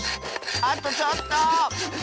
あとちょっと！